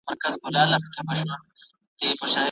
¬ ازمايښت پخوا کال په تلين و، اوس دم په گړي دئ.